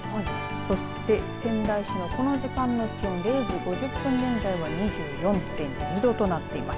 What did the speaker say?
そして仙台市のこの時間の気温０時５０分現在は２４．２度となっています。